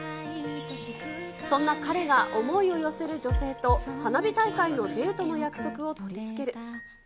そんな彼が思いを寄せる女性と、花火大会のデートの約束を取り付ける。